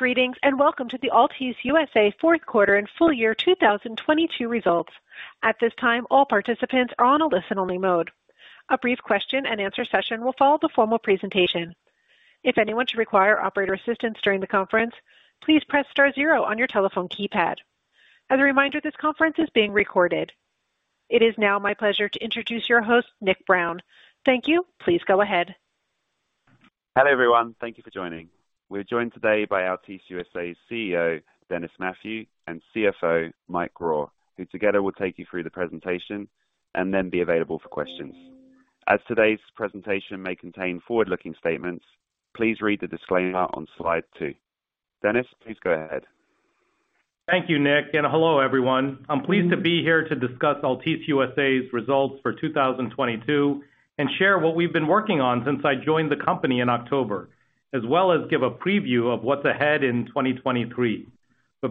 Greetings, welcome to the Altice USA Fourth Quarter and Full Year 2022 Results. At this time, all participants are on a listen-only mode. A brief question and answer session will follow the formal presentation. If anyone should require operator assistance during the conference, please press star zero on your telephone keypad. As a reminder, this conference is being recorded. It is now my pleasure to introduce your host, Nick Brown. Thank you. Please go ahead. Hello, everyone. Thank you for joining. We're joined today by Altice USA's CEO, Dennis Mathew, and CFO, Mike Grau, who together will take you through the presentation and then be available for questions. As today's presentation may contain forward-looking statements, please read the disclaimer on slide two. Dennis, please go ahead. Thank you, Nick. Hello, everyone. I'm pleased to be here to discuss Altice USA's results for 2022 and share what we've been working on since I joined the company in October, as well as give a preview of what's ahead in 2023.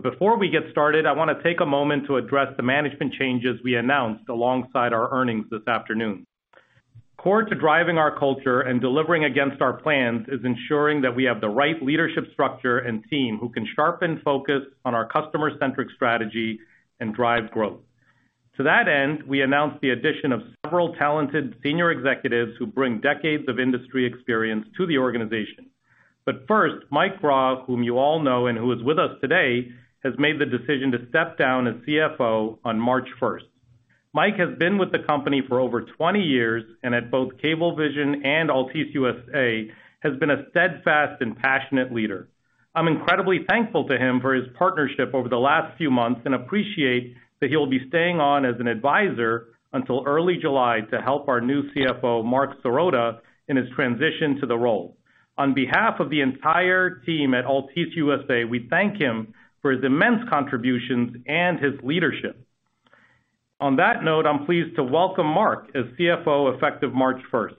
Before we get started, I wanna take a moment to address the management changes we announced alongside our earnings this afternoon. Core to driving our culture and delivering against our plans is ensuring that we have the right leadership structure and team who can sharpen focus on our customer-centric strategy and drive growth. To that end, we announced the addition of several talented senior executives who bring decades of industry experience to the organization. First, Mike Grau, whom you all know and who is with us today, has made the decision to step down as CFO on March first. Mike has been with the company for over 20 years, and at both Cablevision and Altice USA, has been a steadfast and passionate leader. I'm incredibly thankful to him for his partnership over the last few months and appreciate that he'll be staying on as an advisor until early July to help our new CFO, Marc Sirota, in his transition to the role. On behalf of the entire team at Altice USA, we thank him for his immense contributions and his leadership. On that note, I'm pleased to welcome Mark as CFO effective March 1st.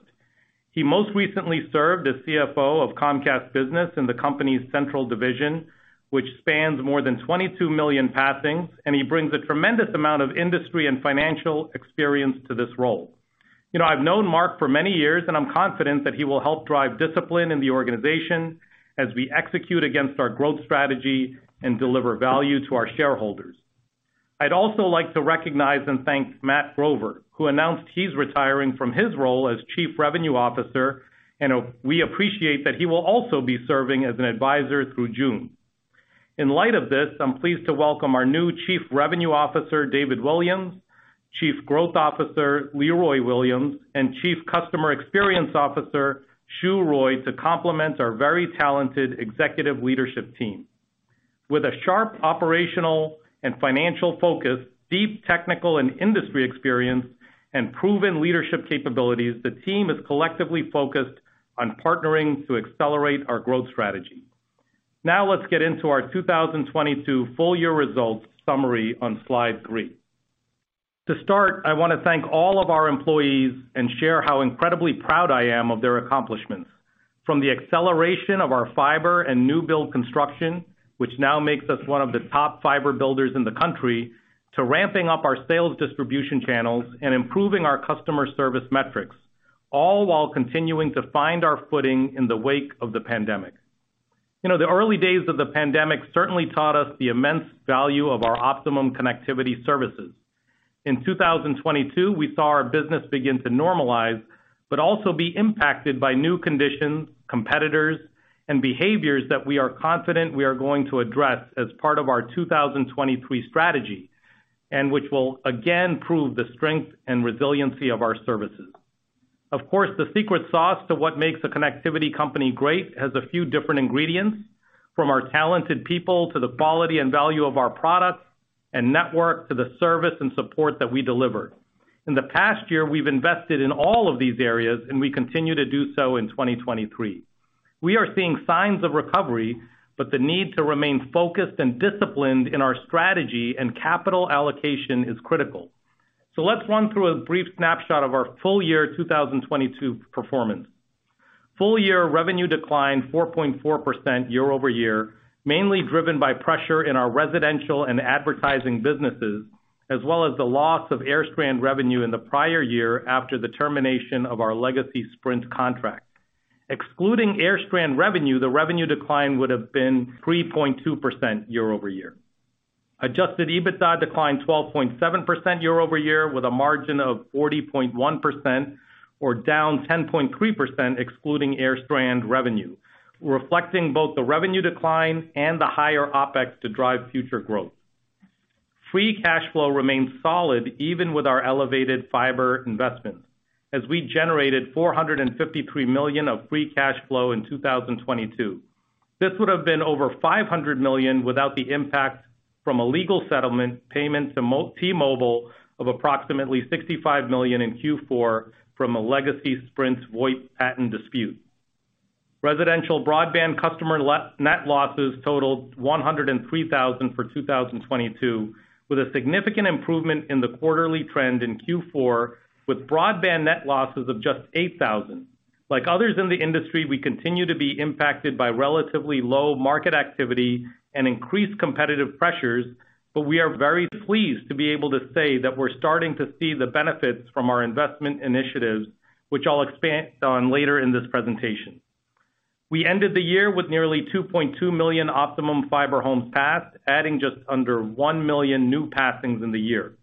He most recently served as CFO of Comcast Business in the company's central division, which spans more than 22 million passings, and he brings a tremendous amount of industry and financial experience to this role. You know, I've known Mark for many years, and I'm confident that he will help drive discipline in the organization as we execute against our growth strategy and deliver value to our shareholders. I'd also like to recognize and thank Matt Grover, who announced he's retiring from his role as chief revenue officer, and we appreciate that he will also be serving as an advisor through June. In light of this, I'm pleased to welcome our new Chief Revenue Officer, David Williams, Chief Growth Officer, Leroy Williams, and Chief Customer Experience Officer, Shu Roy, to complement our very talented executive leadership team. With a sharp operational and financial focus, deep technical and industry experience, and proven leadership capabilities, the team is collectively focused on partnering to accelerate our growth strategy. Now let's get into our 2022 full year results summary on slide three. To start, I wanna thank all of our employees and share how incredibly proud I am of their accomplishments, from the acceleration of our fiber and new build construction, which now makes us one of the top fiber builders in the country, to ramping up our sales distribution channels and improving our customer service metrics, all while continuing to find our footing in the wake of the pandemic. You know, the early days of the pandemic certainly taught us the immense value of our Optimum connectivity services. In 2022, we saw our business begin to normalize, but also be impacted by new conditions, competitors, and behaviors that we are confident we are going to address as part of our 2023 strategy, and which will again prove the strength and resiliency of our services. Of course, the secret sauce to what makes a connectivity company great has a few different ingredients, from our talented people, to the quality and value of our products and network, to the service and support that we deliver. In the past year, we've invested in all of these areas, and we continue to do so in 2023. We are seeing signs of recovery, but the need to remain focused and disciplined in our strategy and capital allocation is critical. Let's run through a brief snapshot of our full year 2022 performance. Full year revenue declined 4.4% year-over-year, mainly driven by pressure in our residential and advertising businesses, as well as the loss of AirStrand revenue in the prior year after the termination of our legacy Sprint contract. Excluding AirStrand revenue, the revenue decline would have been 3.2% year-over-year. Adjusted EBITDA declined 12.7% year-over-year with a margin of 40.1% or down 10.3% excluding AirStrand revenue, reflecting both the revenue decline and the higher OpEx to drive future growth. Free cash flow remains solid even with our elevated fiber investments as we generated $453 million of free cash flow in 2022. This would have been over $500 million without the impact from a legal settlement payment to T-Mobile of approximately $65 million in Q4 from a legacy Sprint's VoIP patent dispute. Residential broadband customer net losses totaled 103,000 for 2022, with a significant improvement in the quarterly trend in Q4 with broadband net losses of just 8,000. Like others in the industry, we continue to be impacted by relatively low market activity and increased competitive pressures, but we are very pleased to be able to say that we're starting to see the benefits from our investment initiatives, which I'll expand on later in this presentation. We ended the year with nearly 2.2 million Optimum fiber homes passed, adding just under 1 million new passings in the year.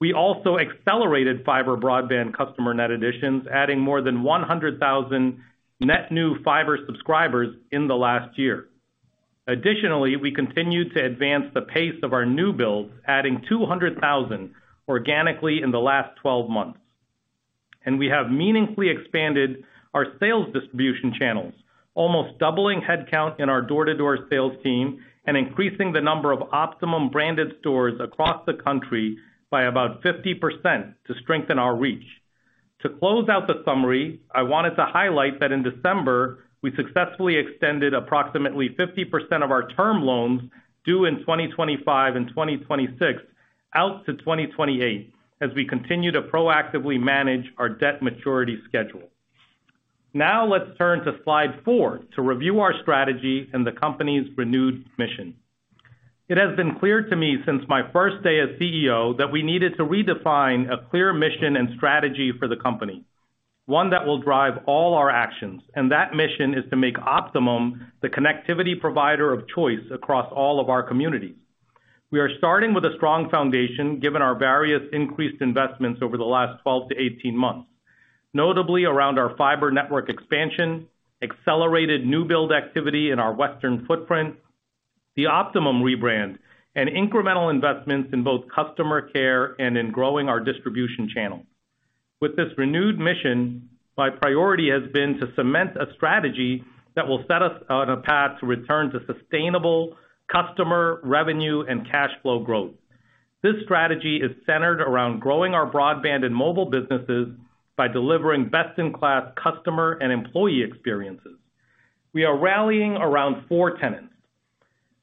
We also accelerated fiber broadband customer net additions, adding more than 100,000 net new fiber subscribers in the last year. Additionally, we continued to advance the pace of our new builds, adding 200,000 organically in the last 12 months. We have meaningfully expanded our sales distribution channels, almost doubling headcount in our door-to-door sales team and increasing the number of Optimum branded stores across the country by about 50% to strengthen our reach. To close out the summary, I wanted to highlight that in December, we successfully extended approximately 50% of our term loans due in 2025 and 2026 out to 2028 as we continue to proactively manage our debt maturity schedule. Now let's turn to slide four to review our strategy and the company's renewed mission. It has been clear to me since my first day as CEO that we needed to redefine a clear mission and strategy for the company. One that will drive all our actions, and that mission is to make Optimum the connectivity provider of choice across all of our communities. We are starting with a strong foundation, given our various increased investments over the last 12-18 months, notably around our fiber network expansion, accelerated new build activity in our Western footprint, the Optimum rebrand, and incremental investments in both customer care and in growing our distribution channel. With this renewed mission, my priority has been to cement a strategy that will set us on a path to return to sustainable customer revenue and cash flow growth. This strategy is centered around growing our broadband and mobile businesses by delivering best-in-class customer and employee experiences. We are rallying around four tenets.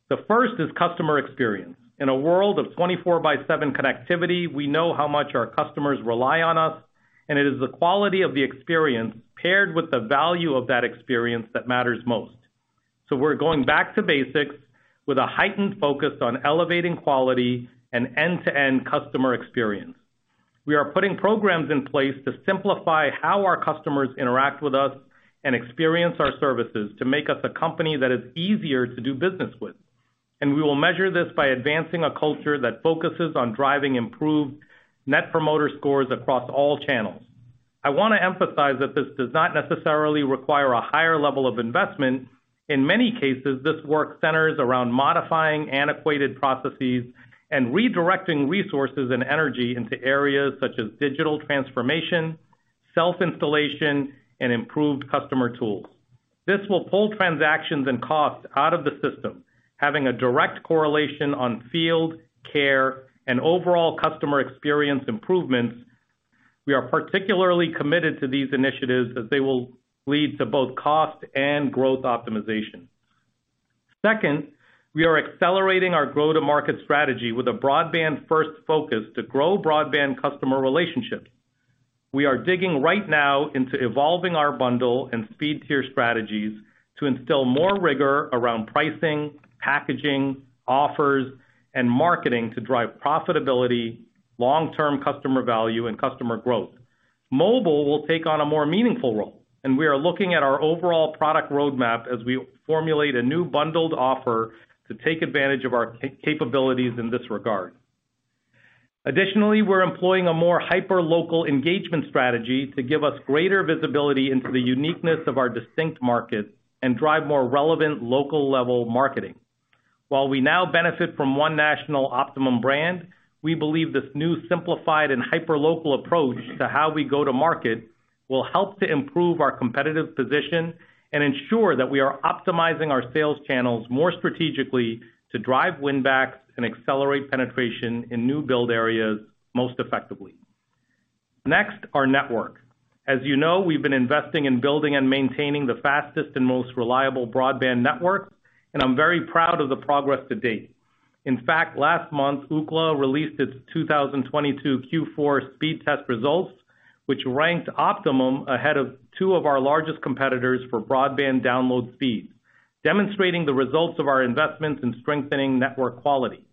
The first is customer experience. In a world of 24 by seven connectivity, we know how much our customers rely on us. It is the quality of the experience paired with the value of that experience that matters most. We're going back to basics with a heightened focus on elevating quality and end-to-end customer experience. We are putting programs in place to simplify how our customers interact with us and experience our services to make us a company that is easier to do business with. We will measure this by advancing a culture that focuses on driving improved Net Promoter Scores across all channels. I want to emphasize that this does not necessarily require a higher level of investment. In many cases, this work centers around modifying antiquated processes and redirecting resources and energy into areas such as digital transformation, self-installation, and improved customer tools. This will pull transactions and costs out of the system, having a direct correlation on field, care, and overall customer experience improvements. We are particularly committed to these initiatives as they will lead to both cost and growth optimization. Second, we are accelerating our go-to-market strategy with a broadband-first focus to grow broadband customer relationships. We are digging right now into evolving our bundle and speed tier strategies to instill more rigor around pricing, packaging, offers, and marketing to drive profitability, long-term customer value, and customer growth. Mobile will take on a more meaningful role, and we are looking at our overall product roadmap as we formulate a new bundled offer to take advantage of our capabilities in this regard. Additionally, we're employing a more hyperlocal engagement strategy to give us greater visibility into the uniqueness of our distinct markets and drive more relevant local-level marketing. While we now benefit from one national Optimum brand, we believe this new simplified and hyperlocal approach to how we go to market will help to improve our competitive position and ensure that we are optimizing our sales channels more strategically to drive win backs and accelerate penetration in new build areas most effectively. Our network. As you know, we've been investing in building and maintaining the fastest and most reliable broadband network. I'm very proud of the progress to date. In fact, last month, Ookla released its 2022 Q4 speed test results, which ranked Optimum ahead of two of our largest competitors for broadband download speeds, demonstrating the results of our investments in strengthening network quality.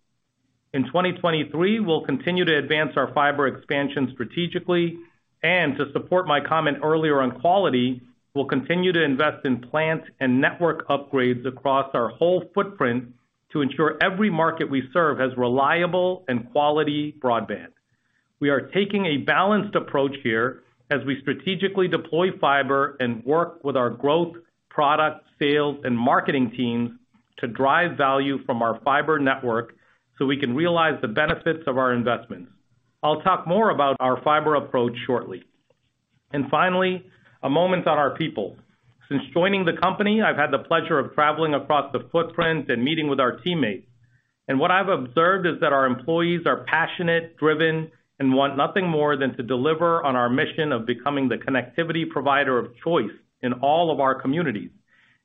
In 2023, we'll continue to advance our fiber expansion strategically. To support my comment earlier on quality, we'll continue to invest in plant and network upgrades across our whole footprint to ensure every market we serve has reliable and quality broadband. We are taking a balanced approach here as we strategically deploy fiber and work with our growth, product, sales, and marketing teams to drive value from our fiber network so we can realize the benefits of our investments. I'll talk more about our fiber approach shortly. Finally, a moment on our people. Since joining the company, I've had the pleasure of traveling across the footprint and meeting with our teammates. What I've observed is that our employees are passionate, driven, and want nothing more than to deliver on our mission of becoming the connectivity provider of choice in all of our communities.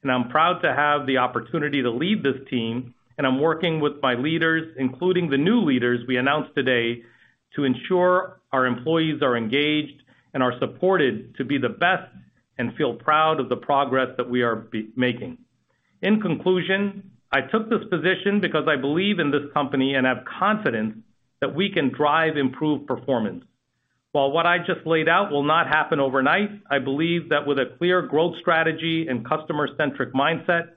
I'm proud to have the opportunity to lead this team, and I'm working with my leaders, including the new leaders we announced today, to ensure our employees are engaged and are supported to be the best and feel proud of the progress that we are making. In conclusion, I took this position because I believe in this company and have confidence that we can drive improved performance. While what I just laid out will not happen overnight, I believe that with a clear growth strategy and customer-centric mindset,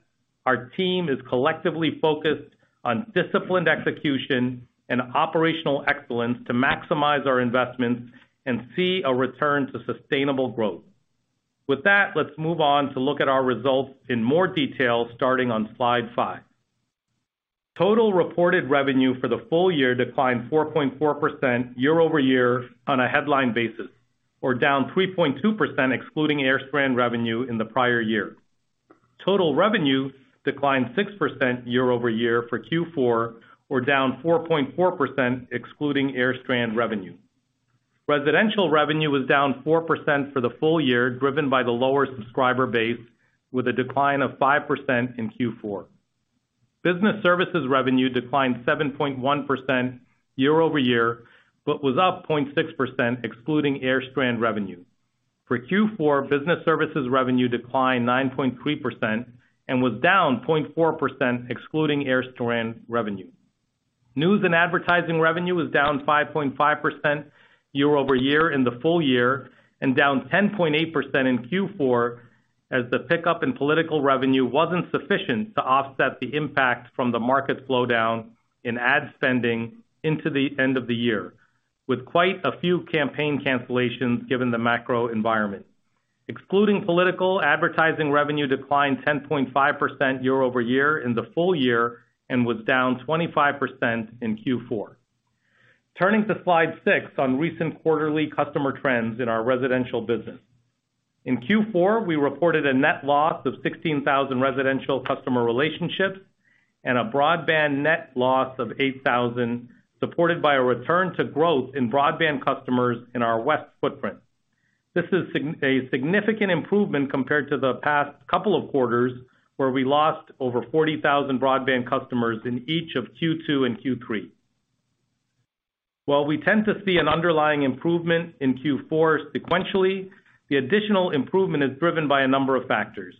our team is collectively focused on disciplined execution and operational excellence to maximize our investments and see a return to sustainable growth. With that, let's move on to look at our results in more detail starting on slide five. Total reported revenue for the full year declined 4.4% year-over-year on a headline basis, or down 3.2% excluding AirStrand revenue in the prior year. Total revenue declined 6% year-over-year for Q4, or down 4.4% excluding AirStrand revenue. Residential revenue was down 4% for the full year, driven by the lower subscriber base, with a decline of 5% in Q4. Business services revenue declined 7.1% year-over-year, but was up 0.6% excluding AirStrand revenue. For Q4, business services revenue declined 9.3% and was down 0.4% excluding AirStrand revenue. News and advertising revenue was down 5.5% year-over-year in the full year and down 10.8% in Q4 as the pickup in political revenue wasn't sufficient to offset the impact from the market slowdown in ad spending into the end of the year, with quite a few campaign cancellations given the macro environment. Excluding political, advertising revenue declined 10.5% year-over-year in the full year and was down 25% in Q4. Turning to slide 6 on recent quarterly customer trends in our residential business. In Q4, we reported a net loss of 16,000 residential customer relationships and a broadband net loss of 8,000, supported by a return to growth in broadband customers in our west footprint. This is a significant improvement compared to the past couple of quarters, where we lost over 40,000 broadband customers in each of Q2 and Q3. We tend to see an underlying improvement in Q4 sequentially, the additional improvement is driven by a number of factors.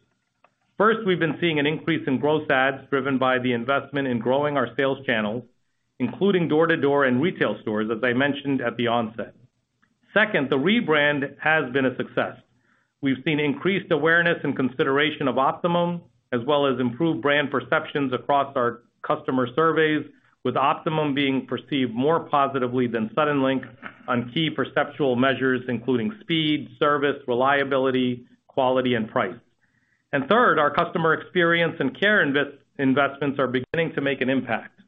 First, we've been seeing an increase in gross adds driven by the investment in growing our sales channels, including door to door and retail stores, as I mentioned at the onset. Second, the rebrand has been a success. We've seen increased awareness and consideration of Optimum, as well as improved brand perceptions across our customer surveys, with Optimum being perceived more positively than Suddenlink on key perceptual measures, including speed, service, reliability, quality, and price. Third, our customer experience and care investments are beginning to make an impact.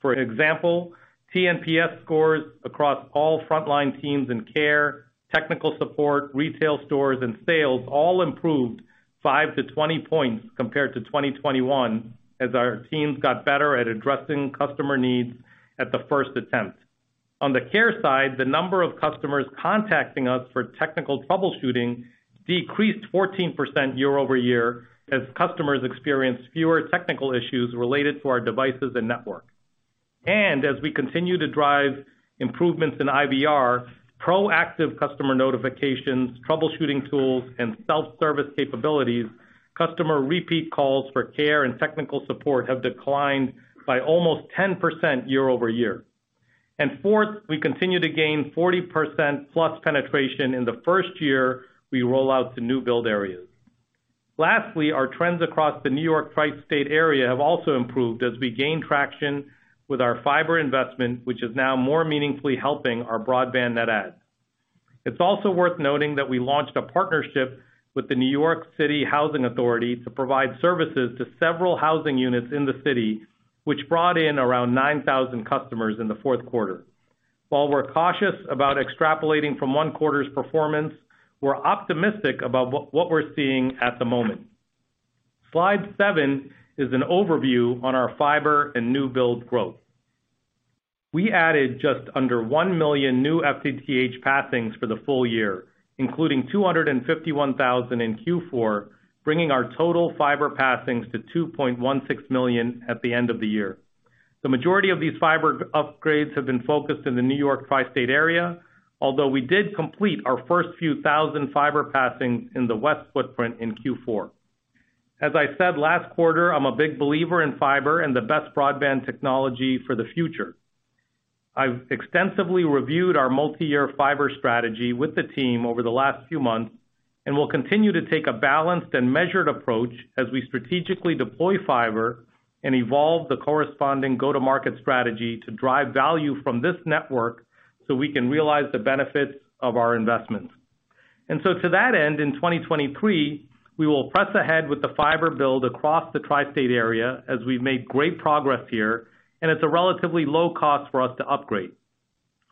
For example, tNPS scores across all frontline teams in care, technical support, retail stores, and sales all improved 5-20 points compared to 2021 as our teams got better at addressing customer needs at the first attempt. On the care side, the number of customers contacting us for technical troubleshooting decreased 14% year-over-year as customers experienced fewer technical issues related to our devices and network. As we continue to drive improvements in IVR, proactive customer notifications, troubleshooting tools, and self-service capabilities, customer repeat calls for care and technical support have declined by almost 10% year-over-year. Fourth, we continue to gain 40%+ penetration in the first year we roll out to new build areas. Lastly, our trends across the New York tri-state area have also improved as we gain traction with our fiber investment, which is now more meaningfully helping our broadband net adds. It's also worth noting that we launched a partnership with the New York City Housing Authority to provide services to several housing units in the city, which brought in around 9,000 customers in the fourth quarter. While we're cautious about extrapolating from one quarter's performance, we're optimistic about what we're seeing at the moment. Slide seven is an overview on our fiber and new build growth. We added just under 1 million new FTTH passings for the full year, including 251,000 in Q4, bringing our total fiber passings to 2.16 million at the end of the year. The majority of these fiber upgrades have been focused in the New York tri-state area, although we did complete our first few thousand fiber passings in the west footprint in Q4. As I said last quarter, I'm a big believer in fiber and the best broadband technology for the future. I've extensively reviewed our multi-year fiber strategy with the team over the last few months and will continue to take a balanced and measured approach as we strategically deploy fiber and evolve the corresponding go-to-market strategy to drive value from this network, so we can realize the benefits of our investments. To that end, in 2023, we will press ahead with the fiber build across the tri-state area as we've made great progress here, and it's a relatively low cost for us to upgrade.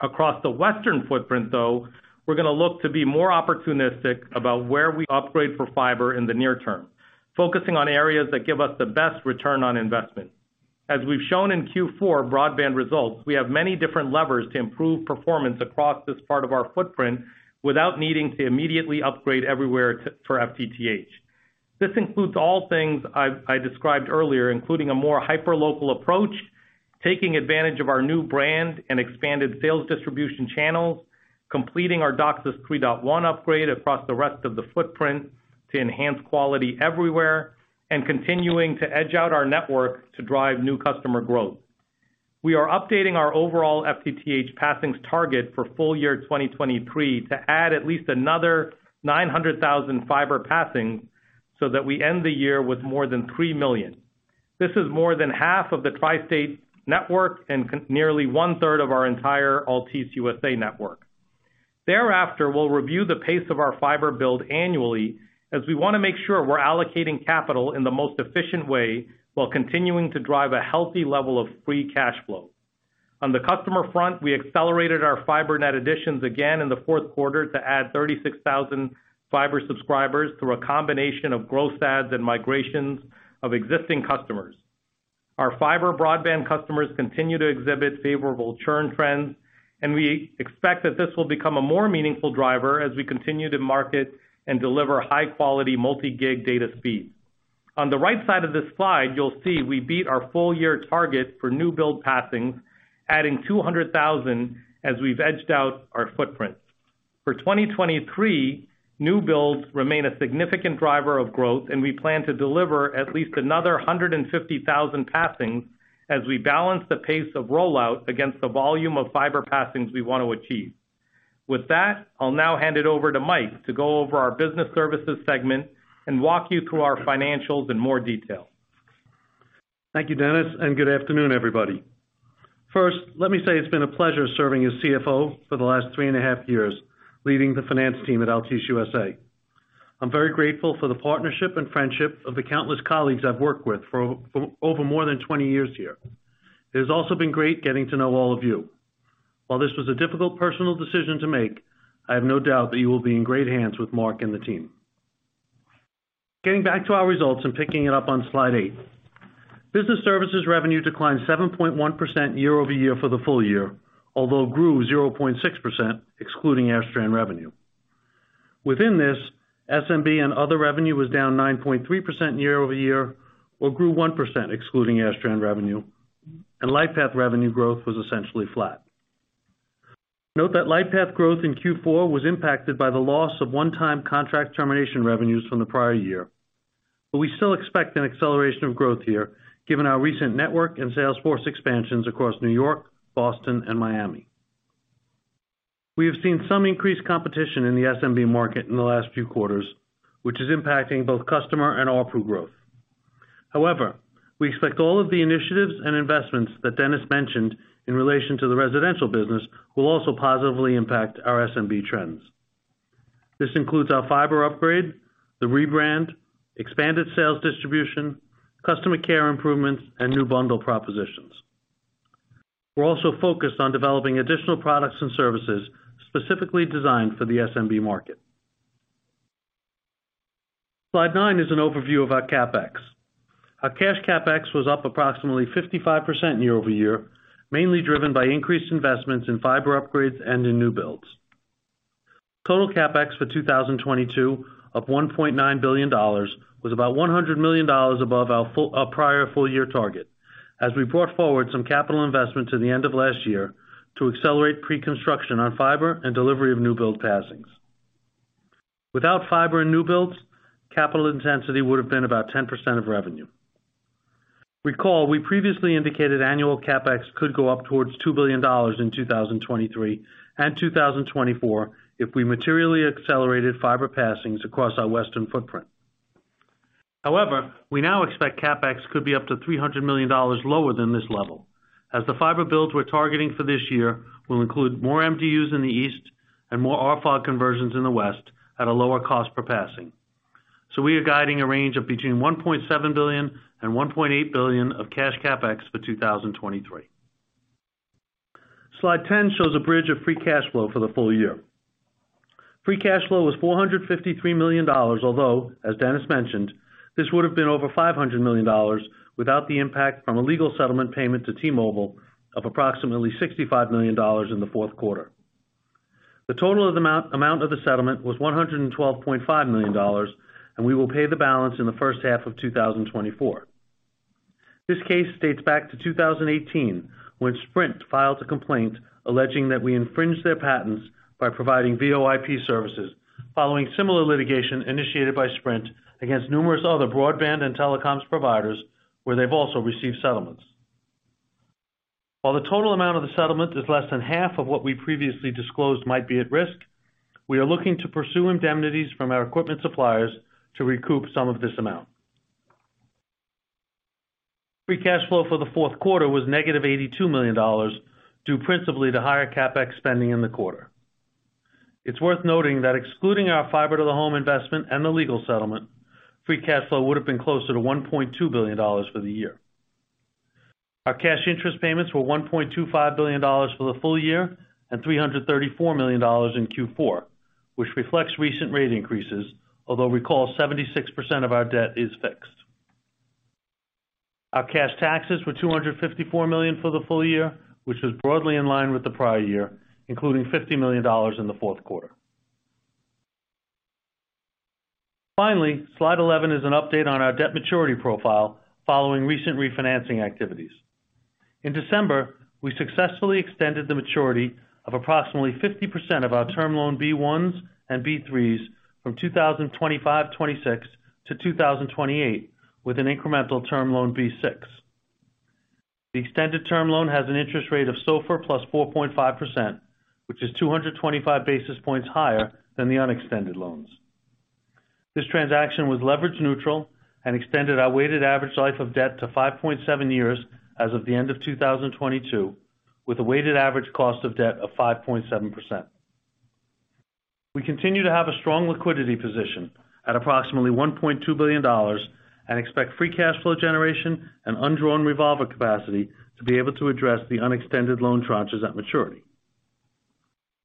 Across the western footprint, though, we're going to look to be more opportunistic about where we upgrade for fiber in the near term, focusing on areas that give us the best return on investment. As we've shown in Q4 broadband results, we have many different levers to improve performance across this part of our footprint without needing to immediately upgrade everywhere for FTTH. This includes all things I described earlier, including a more hyperlocal approach. Taking advantage of our new brand and expanded sales distribution channels, completing our DOCSIS 3.1 upgrade across the rest of the footprint to enhance quality everywhere, and continuing to edge out our network to drive new customer growth. We are updating our overall FTTH passings target for full year 2023 to add at least another 900,000 fiber passing so that we end the year with more than 3 million. This is more than half of the tri-state network and nearly one-third of our entire Altice USA network. Thereafter, we'll review the pace of our fiber build annually as we wanna make sure we're allocating capital in the most efficient way while continuing to drive a healthy level of free cash flow. On the customer front, we accelerated our fiber net additions again in the fourth quarter to add 36,000 fiber subscribers through a combination of gross adds and migrations of existing customers. Our fiber broadband customers continue to exhibit favorable churn trends, and we expect that this will become a more meaningful driver as we continue to market and deliver high-quality multi-gig data speeds. On the right side of this slide, you'll see we beat our full year target for new build passings, adding 200,000 as we've edged out our footprint. For 2023, new builds remain a significant driver of growth. We plan to deliver at least another 150,000 passings as we balance the pace of rollout against the volume of fiber passings we want to achieve. With that, I'll now hand it over to Mike to go over our business services segment and walk you through our financials in more detail. Thank you, Dennis, and good afternoon, everybody. First, let me say it's been a pleasure serving as CFO for the last three and a half years, leading the finance team at Altice USA. I'm very grateful for the partnership and friendship of the countless colleagues I've worked with for over more than 20 years here. It has also been great getting to know all of you. While this was a difficult personal decision to make, I have no doubt that you will be in great hands with Marc and the team. Getting back to our results and picking it up on slide eight. Business services revenue declined 7.1% year-over-year for the full year, although grew 0.6% excluding AirStrand revenue. Within this, SMB and other revenue was down 9.3% year-over-year or grew 1% excluding AirStrand revenue. Lightpath revenue growth was essentially flat. Note that Lightpath growth in Q4 was impacted by the loss of one-time contract termination revenues from the prior year. We still expect an acceleration of growth here, given our recent network and sales force expansions across New York, Boston and Miami. We have seen some increased competition in the SMB market in the last few quarters, which is impacting both customer and offer growth. However, we expect all of the initiatives and investments that Dennis mentioned in relation to the residential business will also positively impact our SMB trends. This includes our fiber upgrade, the rebrand, expanded sales distribution, customer care improvements, and new bundle propositions. We're also focused on developing additional products and services specifically designed for the SMB market. Slide nine is an overview of our CapEx. Our cash CapEx was up approximately 55% year-over-year, mainly driven by increased investments in fiber upgrades and in new builds. Total CapEx for 2022 of $1.9 billion was about $100 million above our prior full year target as we brought forward some capital investment to the end of last year to accelerate pre-construction on fiber and delivery of new build passings. Without fiber and new builds, capital intensity would have been about 10% of revenue. Recall, we previously indicated annual CapEx could go up towards $2 billion in 2023 and 2024 if we materially accelerated fiber passings across our Western footprint. We now expect CapEx could be up to $300 million lower than this level, as the fiber builds we're targeting for this year will include more MDUs in the East and more RFOG conversions in the West at a lower cost per passing. We are guiding a range of between $1.7 billion and $1.8 billion of cash CapEx for 2023. Slide 10 shows a bridge of free cash flow for the full year. Free cash flow was $453 million, although as Dennis mentioned, this would have been over $500 million without the impact from a legal settlement payment to T-Mobile of approximately $65 million in the fourth quarter. The total amount of the settlement was $112.5 million. We will pay the balance in the first half of 2024. This case dates back to 2018, when Sprint filed a complaint alleging that we infringed their patents by providing VoIP services following similar litigation initiated by Sprint against numerous other broadband and telecoms providers where they've also received settlements. While the total amount of the settlement is less than half of what we previously disclosed might be at risk, we are looking to pursue indemnities from our equipment suppliers to recoup some of this amount. Free cash flow for the fourth quarter was -$82 million, due principally to higher CapEx spending in the quarter. It's worth noting that excluding our fiber to the home investment and the legal settlement, free cash flow would have been closer to $1.2 billion for the year. Our cash interest payments were $1.25 billion for the full year and $334 million in Q4, which reflects recent rate increases. Recall, 76% of our debt is fixed. Our cash taxes were $254 million for the full year, which was broadly in line with the prior year, including $50 million in the fourth quarter. Slide 11 is an update on our debt maturity profile following recent refinancing activities. In December, we successfully extended the maturity of approximately 50% of our Term Loan B-1s and B-3s from 2025-2026 to 2028 with an incremental Term Loan B-6. The extended term loan has an interest rate of SOFR plus 4.5%, which is 225 basis points higher than the unextended loans. This transaction was leverage neutral and extended our weighted average life of debt to 5.7 years as of the end of 2022, with a weighted average cost of debt of 5.7%. We continue to have a strong liquidity position at approximately $1.2 billion and expect free cash flow generation and undrawn revolver capacity to be able to address the unextended loan tranches at maturity.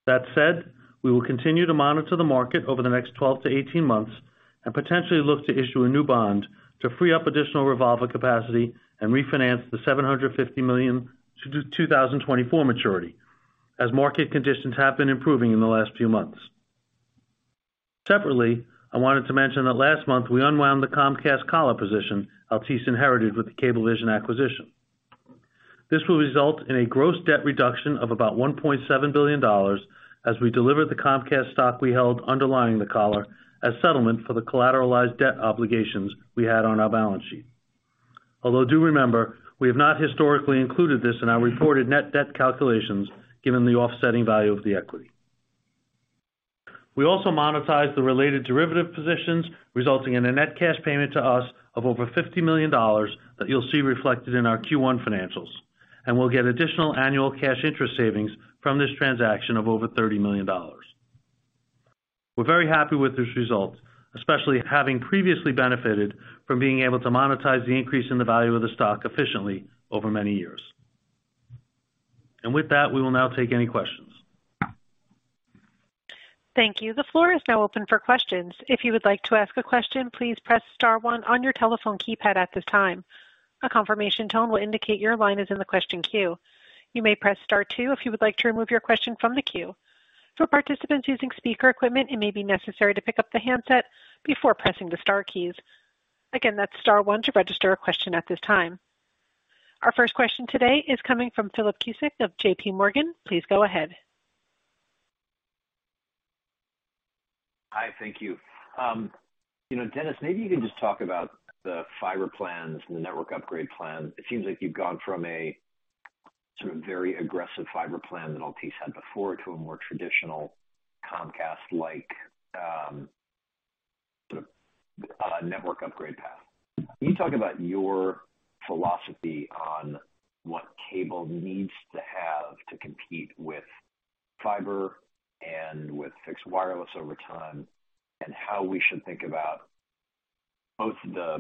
That said, we will continue to monitor the market over the next 12 to 18 months and potentially look to issue a new bond to free up additional revolver capacity and refinance the $750 million 2024 maturity, as market conditions have been improving in the last few months. Separately, I wanted to mention that last month we unwound the Comcast collar position Altice inherited with the Cablevision acquisition. This will result in a gross debt reduction of about $1.7 billion as we deliver the Comcast stock we held underlying the collar as settlement for the collateralized debt obligations we had on our balance sheet. Do remember, we have not historically included this in our reported net debt calculations given the offsetting value of the equity. We also monetized the related derivative positions, resulting in a net cash payment to us of over $50 million that you'll see reflected in our Q1 financials. We'll get additional annual cash interest savings from this transaction of over $30 million. We're very happy with this result, especially having previously benefited from being able to monetize the increase in the value of the stock efficiently over many years. With that, we will now take any questions. Thank you. The floor is now open for questions. If you would like to ask a question, please press star one on your telephone keypad at this time. A confirmation tone will indicate your line is in the question queue. You may press star two if you would like to remove your question from the queue. For participants using speaker equipment, it may be necessary to pick up the handset before pressing the star keys. Again, that's star one to register a question at this time. Our first question today is coming from Philip Cusick of JPMorgan. Please go ahead. Hi. Thank you. You know, Dennis, maybe you can just talk about the fiber plans and the network upgrade plan. It seems like you've gone from a sort of very aggressive fiber plan that Altice had before to a more traditional Comcast-like, sort of, network upgrade path. Can you talk about your philosophy on what cable needs to have to compete with fiber and with fixed wireless over time, and how we should think about both the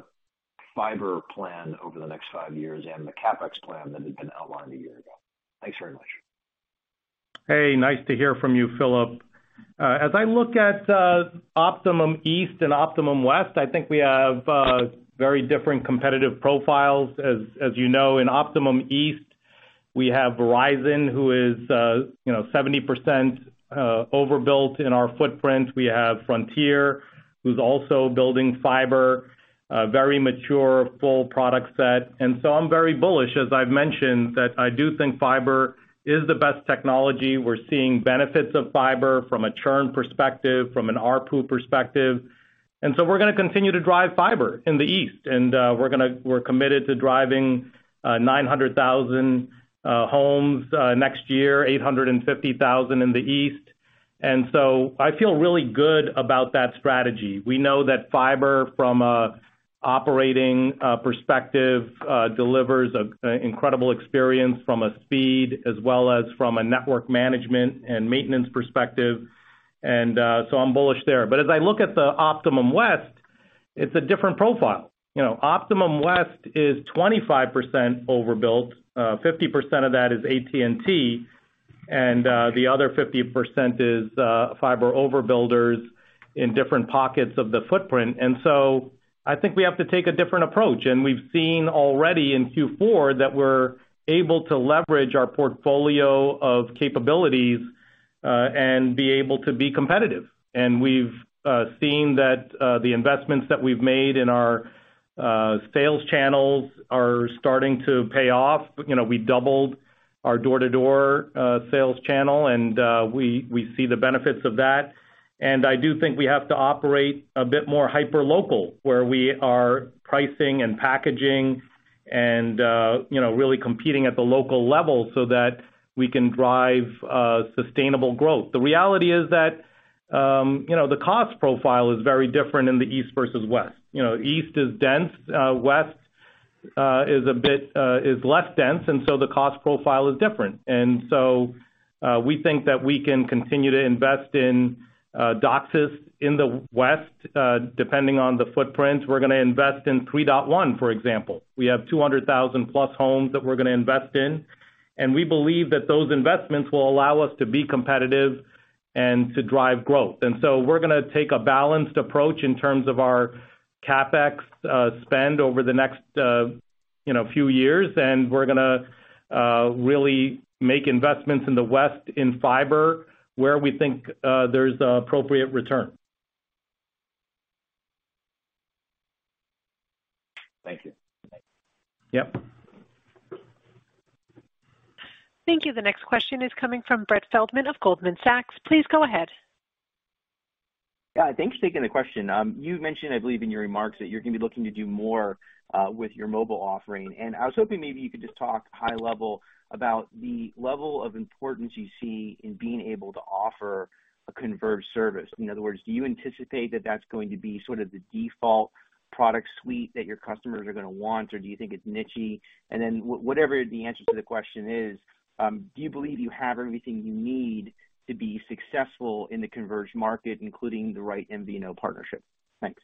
fiber plan over the next five years and the CapEx plan that had been outlined a year ago? Thanks very much. Hey, nice to hear from you, Philip. As I look at Optimum East and Optimum West, I think we have very different competitive profiles. As you know, in Optimum East, we have Verizon, who is, you know, 70% overbuilt in our footprint. We have Frontier, who's also building fiber, a very mature full product set. I'm very bullish, as I've mentioned, that I do think fiber is the best technology. We're seeing benefits of fiber from a churn perspective, from an ARPU perspective. We're gonna continue to drive fiber in the East, and we're committed to driving 900,000 homes next year, 850,000 in the East. I feel really good about that strategy. We know that fiber from a operating perspective delivers a incredible experience from a speed as well as from a network management and maintenance perspective. I'm bullish there. As I look at the Optimum West, it's a different profile. You know, Optimum West is 25% overbuilt. 50% of that is AT&T, the other 50% is fiber overbuilders in different pockets of the footprint. I think we have to take a different approach. We've seen already in Q4 that we're able to leverage our portfolio of capabilities and be able to be competitive. We've seen that the investments that we've made in our sales channels are starting to pay off. You know, we doubled our door-to-door sales channel, we see the benefits of that. And i do think we have to operate a bit more hyperlocal, where we are pricing and packaging and, you know, really competing at the local level so that we can drive sustainable growth. The reality is that, you know, the cost profile is very different in the East versus West. You know, East is dense, West is a bit less dense, and so the cost profile is different. We think that we can continue to invest in DOCSIS in the West. Depending on the footprint, we're gonna invest in 3.1, for example. We have 200,000 plus homes that we're gonna invest in, and we believe that those investments will allow us to be competitive and to drive growth. We're gonna take a balanced approach in terms of our CapEx spend over the next, You know, few years, and we're gonna really make investments in the West in fiber where we think there's appropriate return. Thank you. Yep. Thank you. The next question is coming from Brett Feldman of Goldman Sachs. Please go ahead. Yeah, thanks for taking the question. You mentioned, I believe, in your remarks that you're gonna be looking to do more with your mobile offering. I was hoping maybe you could just talk high level about the level of importance you see in being able to offer a converged service. In other words, do you anticipate that that's going to be sort of the default product suite that your customers are gonna want, or do you think it's niche-y? Whatever the answer to the question is, do you believe you have everything you need to be successful in the converged market, including the right MVNO partnership? Thanks.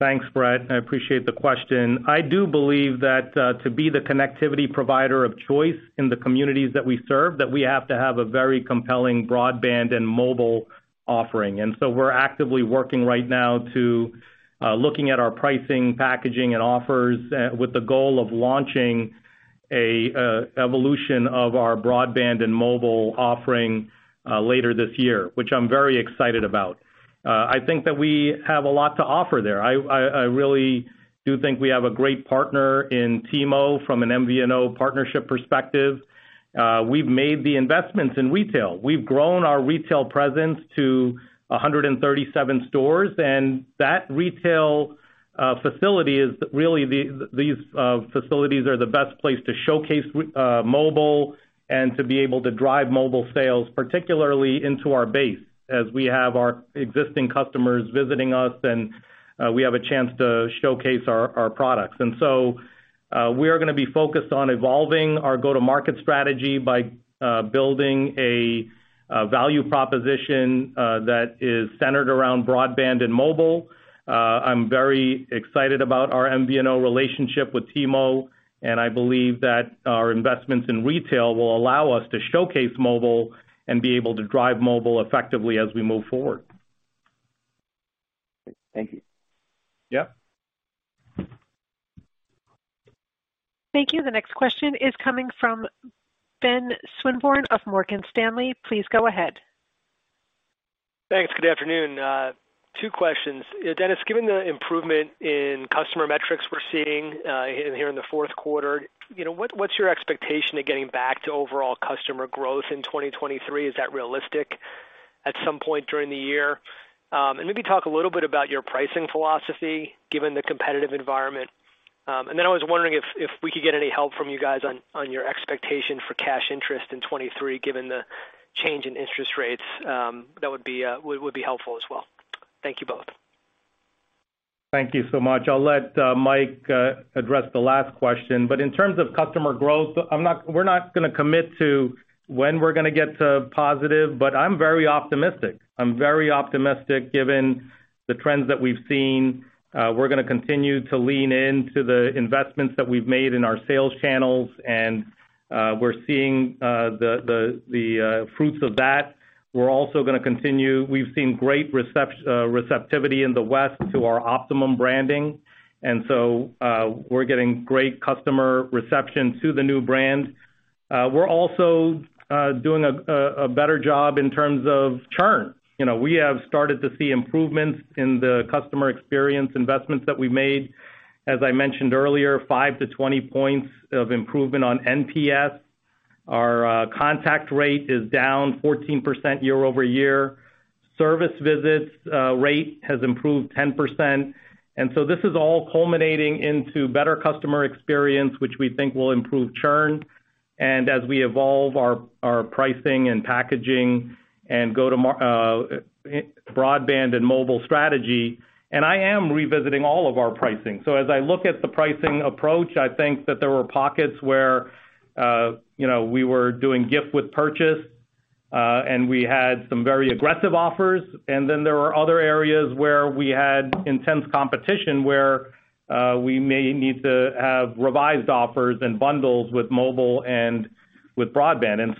Thanks, Brett. I appreciate the question. I do believe that to be the connectivity provider of choice in the communities that we serve, that we have to have a very compelling broadband and mobile offering. We're actively working right now to looking at our pricing, packaging and offers with the goal of launching a evolution of our broadband and mobile offering later this year, which I'm very excited about. I think that we have a lot to offer there. I really do think we have a great partner in T-Mobile from an MVNO partnership perspective. We've made the investments in retail. We've grown our retail presence to 137 stores. That retail facility is really these facilities are the best place to showcase mobile and to be able to drive mobile sales, particularly into our base, as we have our existing customers visiting us. We have a chance to showcase our products. We are gonna be focused on evolving our go-to-market strategy by building a value proposition that is centered around broadband and mobile. I'm very excited about our MVNO relationship with T-Mobile. I believe that our investments in retail will allow us to showcase mobile and be able to drive mobile effectively as we move forward. Thank you. Yep. Thank you. The next question is coming from Ben Swinburne of Morgan Stanley. Please go ahead. Thanks. Good afternoon. Two questions. Dennis, given the improvement in customer metrics we're seeing here in the fourth quarter, you know, what's your expectation of getting back to overall customer growth in 2023? Is that realistic at some point during the year? Maybe talk a little bit about your pricing philosophy given the competitive environment. I was wondering if we could get any help from you guys on your expectation for cash interest in 2023, given the change in interest rates, that would be helpful as well. Thank you both. Thank you so much. I'll let Mike address the last question. In terms of customer growth, we're not gonna commit to when we're gonna get to positive, but I'm very optimistic. I'm very optimistic given the trends that we've seen. We're gonna continue to lean into the investments that we've made in our sales channels, we're seeing the fruits of that. We're also gonna continue. We've seen great receptivity in the West to our Optimum branding, we're getting great customer reception to the new brand. We're also doing a better job in terms of churn. You know, we have started to see improvements in the customer experience investments that we made. As I mentioned earlier, 5-20 points of improvement on NPS. Our contact rate is down 14% year-over-year. Service visits rate has improved 10%. This is all culminating into better customer experience, which we think will improve churn and as we evolve our pricing and packaging and go to broadband and mobile strategy. I am revisiting all of our pricing. As I look at the pricing approach, I think that there were pockets where, you know, we were doing gift with purchase, and we had some very aggressive offers. There were other areas where we had intense competition where we may need to have revised offers and bundles with mobile and with broadband.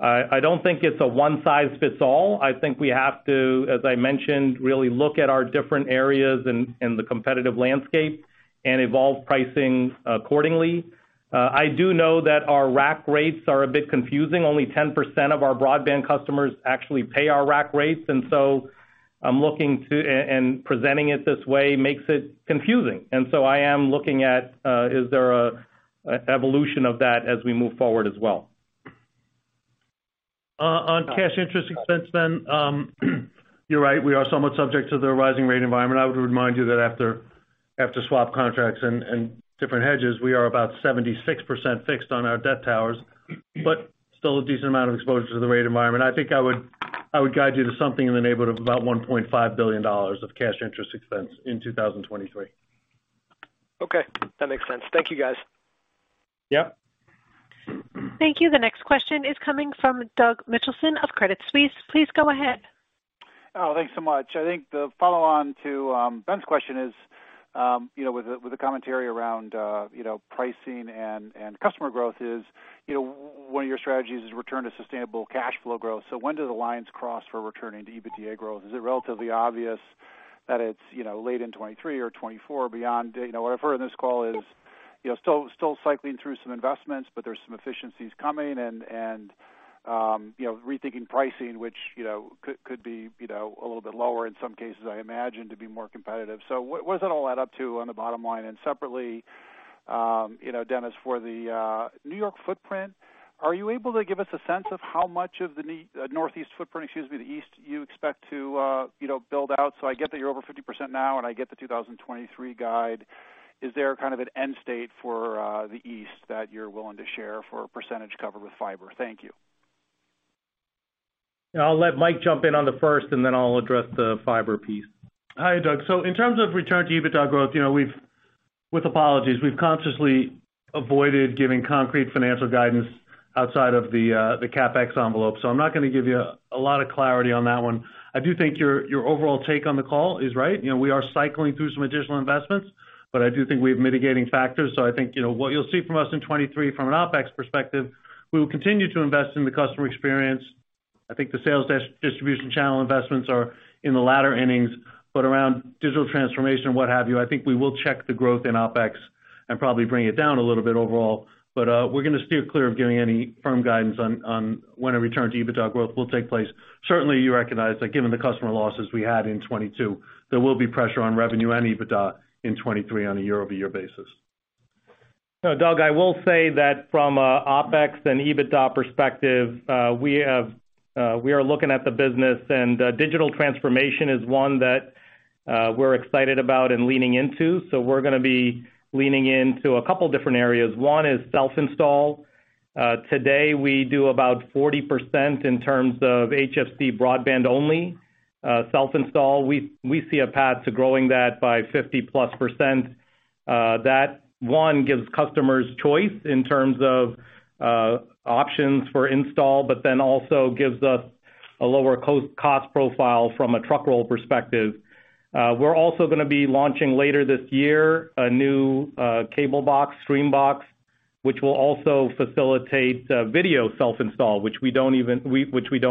I don't think it's a one size fits all. I think we have to, as I mentioned, really look at our different areas and the competitive landscape and evolve pricing accordingly. I do know that our rack rates are a bit confusing. Only 10% of our broadband customers actually pay our rack rates, I'm looking to and presenting it this way makes it confusing. I am looking at, is there a evolution of that as we move forward as well. On cash interest expense then, you're right, we are somewhat subject to the rising rate environment. I would remind you that after swap contracts and different hedges, we are about 76% fixed on our debt towers, but still a decent amount of exposure to the rate environment. I would guide you to something in the neighborhood of about $1.5 billion of cash interest expense in 2023. Okay, that makes sense. Thank you, guys. Yep. Thank you. The next question is coming from Doug Mitchelson of Credit Suisse. Please go ahead. Thanks so much. I think the follow on to Ben's question is with the commentary around pricing and customer growth is one of your strategies is return to sustainable cash flow growth. When do the lines cross for returning to EBITDA growth? Is it relatively obvious? That it's late in 2023 or 2024 beyond what I've heard in this call is still cycling through some investments, but there's some efficiencies coming and rethinking pricing, which could be a little bit lower in some cases, I imagine, to be more competitive. What does that all add up to on the bottom line? Separately, you know, Dennis, for the New York footprint, are you able to give us a sense of how much of the Northeast footprint, excuse me, the East you expect to, you know, build out? I get that you're over 50% now, and I get the 2023 guide. Is there kind of an end state for the East that you're willing to share for a percentage cover with fiber? Thank you. I'll let Mike jump in on the first, and then I'll address the fiber piece. Hi, Doug. In terms of return to EBITDA growth, you know, we've with apologies, we've consciously avoided giving concrete financial guidance outside of the CapEx envelope. I'm not gonna give you a lot of clarity on that one. I do think your overall take on the call is right. You know, we are cycling through some additional investments, but I do think we have mitigating factors. I think, you know, what you'll see from us in 2023 from an OpEx perspective, we will continue to invest in the customer experience. I think the sales distribution channel investments are in the latter innings, but around digital transformation and what have you, I think we will check the growth in OpEx and probably bring it down a little bit overall. We're gonna steer clear of giving any firm guidance on when a return to EBITDA growth will take place. Certainly, you recognize that given the customer losses we had in 2022, there will be pressure on revenue and EBITDA in 2023 on a year-over-year basis. Doug, I will say that from OpEx and EBITDA perspective, we are looking at the business, and digital transformation is one that we're excited about and leaning into. We're gonna be leaning into a couple different areas. One is self-install. Today, we do about 40% in terms of HFC broadband only, self-install. We see a path to growing that by 50%+. That one gives customers choice in terms of options for install, but then also gives us a lower cost profile from a truck roll perspective. We're also gonna be launching later this year a new cable box, Optimum Stream, which will also facilitate video self-install, which we don't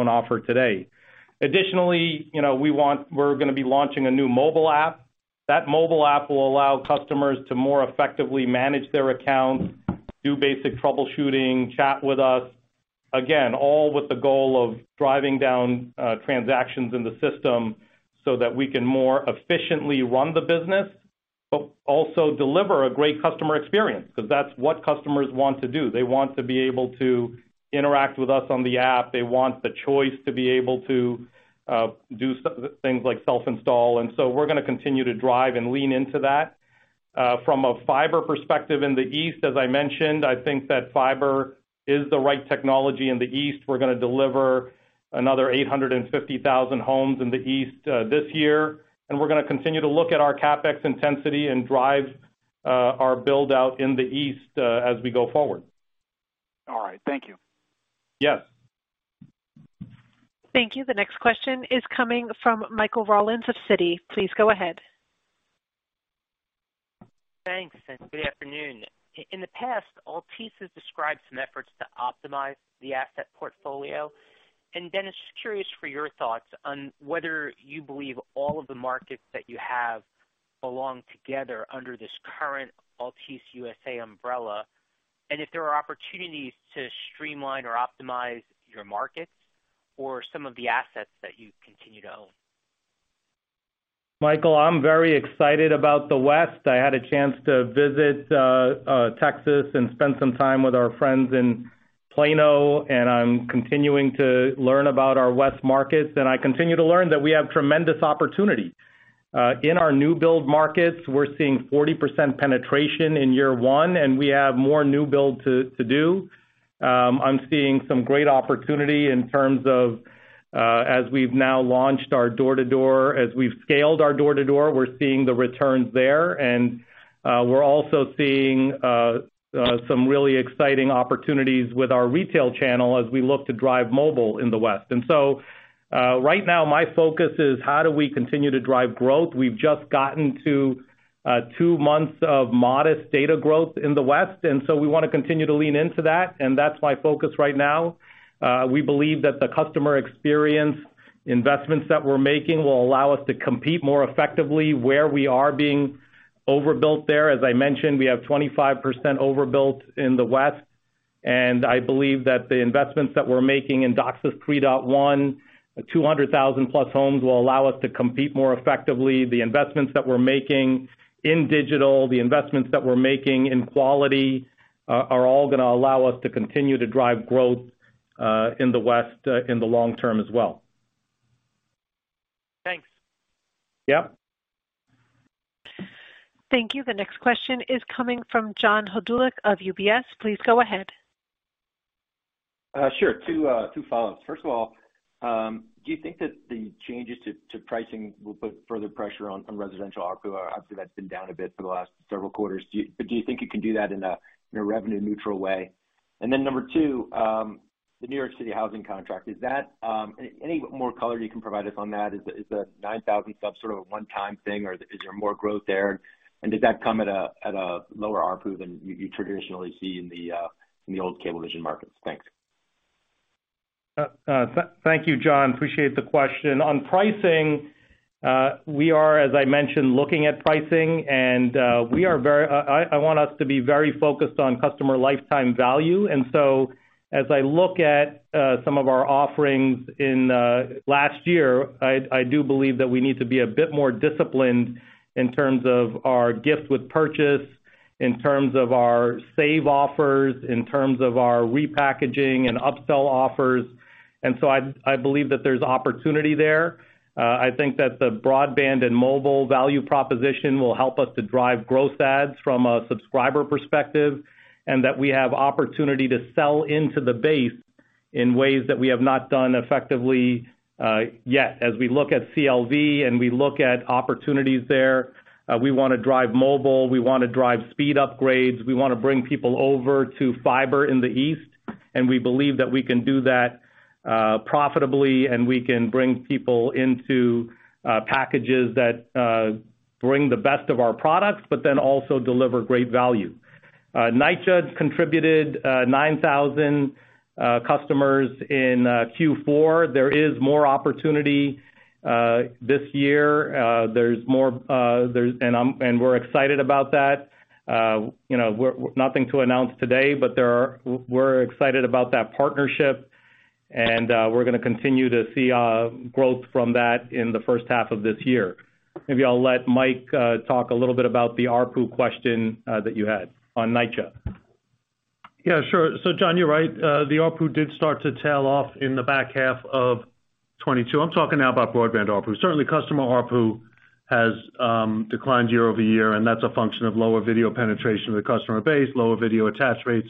offer today. Additionally, you know, we're gonna be launching a new mobile app. That mobile app will allow customers to more effectively manage their accounts, do basic troubleshooting, chat with us. Again all with the goal of driving down transactions in the system so that we can more efficiently run the business, but also deliver a great customer experience because that's what customers want to do. They want to be able to interact with us on the app. They want the choice to be able to do things like self-install. We're gonna continue to drive and lean into that. From a fiber perspective in the East, as I mentioned, I think that fiber is the right technology in the East. We're gonna deliver another 850,000 homes in the East, this year, and we're gonna continue to look at our CapEx intensity and drive, our build-out in the East, as we go forward. All right. Thank you. Yup. Thank you. The next question is coming from Michael Rollins of Citi. Please go ahead. Thanks, good afternoon. In the past, Altice has described some efforts to optimize the asset portfolio. Dennis, just curious for your thoughts on whether you believe all of the markets that you have belong together under this current Altice USA umbrella, and if there are opportunities to streamline or optimize your markets or some of the assets that you continue to own? Michael, I'm very excited about the West. I had a chance to visit Texas and spend some time with our friends in Plano. I'm continuing to learn about our West markets. I continue to learn that we have tremendous opportunity. In our new build markets, we're seeing 40% penetration in year one. We have more new build to do. I'm seeing some great opportunity in terms of as we've now launched our door-to-door. As we've scaled our door-to-door, we're seeing the returns there. We're also seeing some really exciting opportunities with our retail channel as we look to drive mobile in the West. And so right now, my focus is how do we continue to drive growth. We've just gotten to two months of modest data growth in the West, we wanna continue to lean into that, and that's my focus right now. We believe that the customer experience investments that we're making will allow us to compete more effectively where we are being overbuilt there. As I mentioned, we have 25% overbuilt in the West, and I believe that the investments that we're making in DOCSIS 3.1, 200,000-plus homes will allow us to compete more effectively. The investments that we're making in digital, the investments that we're making in quality are all gonna allow us to continue to drive growth in the West in the long term as well. Thanks. Yup. Thank you. The next question is coming from John Hodulik of UBS. Please go ahead. Sure. Two, two follow-ups. First of all, do you think that the changes to pricing will put further pressure on residential ARPU? Obviously, that's been down a bit for the last several quarters. But do you think you can do that in a revenue neutral way? Number two, the New York City Housing contract, is that any more color you can provide us on that? Is the 9,000 subs sort of a one-time thing, or is there more growth there? Did that come at a lower ARPU than you traditionally see in the old Cablevision markets? Thanks. Thank you, John. Appreciate the question. On pricing, we are, as I mentioned, looking at pricing and I want us to be very focused on customer lifetime value. As I look at some of our offerings in last year, I do believe that we need to be a bit more disciplined in terms of our gifts with purchase, in terms of our save offers, in terms of our repackaging and upsell offers. I believe that there's opportunity there. I think that the broadband and mobile value proposition will help us to drive growth ads from a subscriber perspective, and that we have opportunity to sell into the base in ways that we have not done effectively yet. As we look at CLV and we look at opportunities there, we wanna drive mobile, we wanna drive speed upgrades, we wanna bring people over to fiber in the east, and we believe that we can do that profitably, and we can bring people into packages that bring the best of our products, but then also deliver great value. NYCHA has contributed 9,000 customers in Q4. There is more opportunity this year. There's more, and we're excited about that. You know, nothing to announce today, but we're excited about that partnership, and we're gonna continue to see growth from that in the first half of this year. Maybe I'll let Mike talk a little bit about the ARPU question that you had on NYCHA. Yeah, sure. John, you're right. The ARPU did start to tail off in the back half of 2022. I'm talking now about broadband ARPU. Certainly customer ARPU has declined year-over-year, that's a function of lower video penetration of the customer base, lower video attach rates,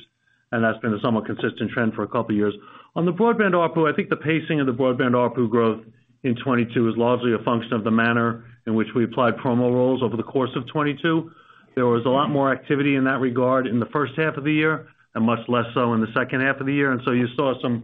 that's been a somewhat consistent trend for a couple of years. On the broadband ARPU, I think the pacing of the broadband ARPU growth in 2022 is largely a function of the manner in which we applied promo rules over the course of 2022. There was a lot more activity in that regard in the first half of the year and much less so in the second half of the year. And you saw some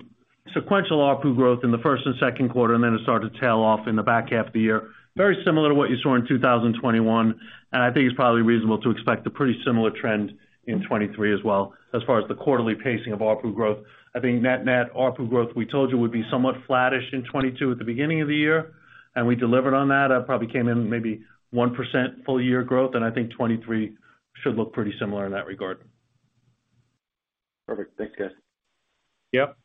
sequential ARPU growth in the first and second quarter, and then it started to tail off in the back half of the year. Very similar to what you saw in 2021. I think it's probably reasonable to expect a pretty similar trend in 2023 as well, as far as the quarterly pacing of ARPU growth. I think net-net ARPU growth, we told you, would be somewhat flattish in 2022 at the beginning of the year, and we delivered on that. Probably came in maybe 1% full year growth, and I think 2023 should look pretty similar in that regard. Perfect. Thanks, guys. Yep.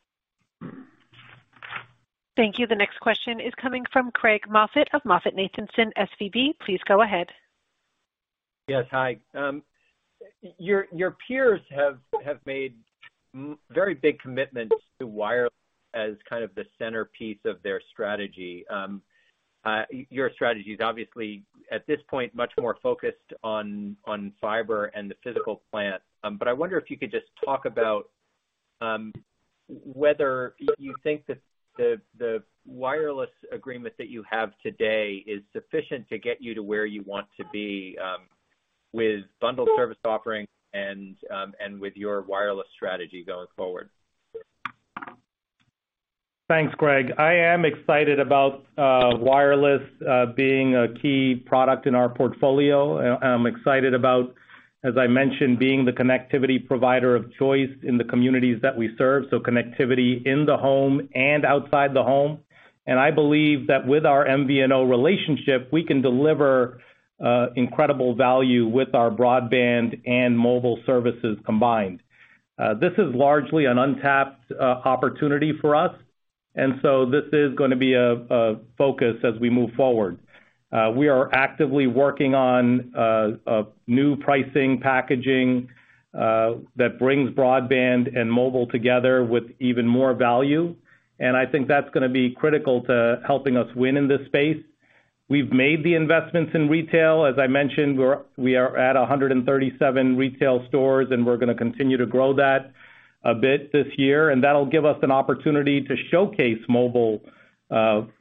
Thank you. The next question is coming from Craig Moffett of MoffettNathanson SVB. Please go ahead. Yes. Hi. Your peers have made very big commitments to wireless as kind of the centerpiece of their strategy. Your strategy is obviously, at this point, much more focused on fiber and the physical plant. I wonder if you could just talk about whether you think that the wireless agreement that you have today is sufficient to get you to where you want to be with bundled service offerings and with your wireless strategy going forward. Thanks, Craig. I am excited about wireless being a key product in our portfolio. I'm excited about, as I mentioned, being the connectivity provider of choice in the communities that we serve, so connectivity in the home and outside the home. I believe that with our MVNO relationship, we can deliver incredible value with our broadband and mobile services combined. This is largely an untapped opportunity for us. This is gonna be a focus as we move forward. We are actively working on new pricing, packaging that brings broadband and mobile together with even more value. I think that's gonna be critical to helping us win in this space. We've made the investments in retail. As I mentioned, we are at 137 retail stores, and we're gonna continue to grow that a bit this year, and that'll give us an opportunity to showcase mobile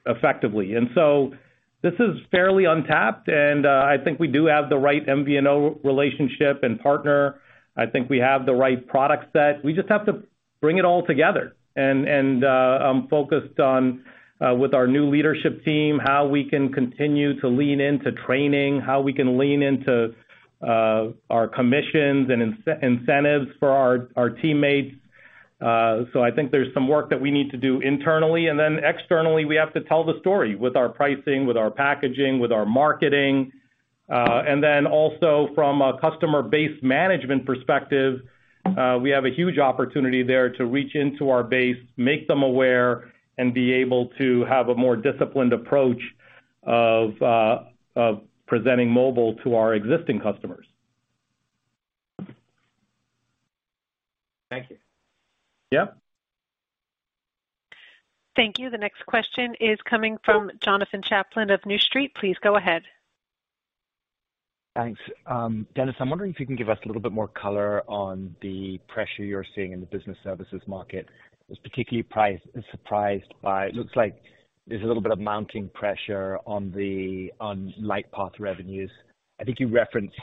effectively. So this is fairly untapped, and I think we do have the right MVNO relationship and partner. I think we have the right product set. We just have to bring it all together. I'm focused on with our new leadership team, how we can continue to lean into training, how we can lean into our commissions and incentives for our teammates. So I think there's some work that we need to do internally. Then externally, we have to tell the story with our pricing, with our packaging, with our marketing. From a customer base management perspective, we have a huge opportunity there to reach into our base, make them aware, and be able to have a more disciplined approach of presenting mobile to our existing customers. Thank you. Yeah. Thank you. The next question is coming from Jonathan Chaplin of New Street. Please go ahead. Thanks. Dennis, I'm wondering if you can give us a little bit more color on the pressure you're seeing in the business services market. I was particularly surprised by. It looks like there's a little bit of mounting pressure on the Lightpath revenues. I think you referenced